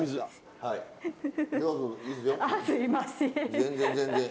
全然全然。